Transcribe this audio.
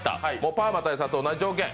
パーマ大佐と同じ条件。